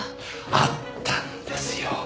あったんですよ。